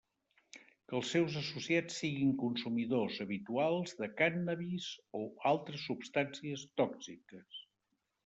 Que els seus associats siguin consumidors habitual de cànnabis o altres substàncies tòxiques.